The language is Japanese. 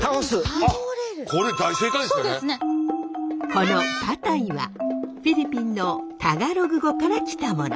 このパタイはフィリピンのタガログ語からきたもの。